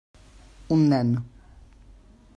Un nen.